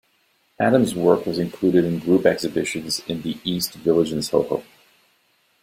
Adams' work was included in group exhibitions in the East Village and SoHo.